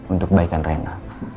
untuk kebaikan rena